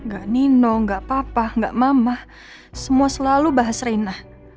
gak nino gak papa gak mama semua selalu bahas reina